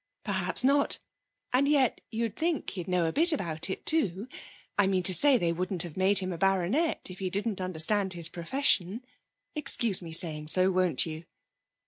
'Perhaps not. And yet you'd think he'd know a bit about it, too! I mean to say, they wouldn't have made him a baronet if he didn't understand his profession. Excuse my saying so, won't you?'